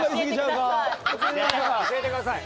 教えてください。